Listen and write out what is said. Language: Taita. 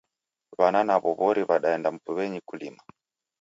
W'anake naw'o w'ori w'adaenda mbuw'enyi kulima.